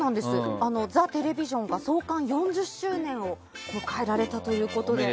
「ザテレビジョン」が創刊４０周年を迎えられたということで。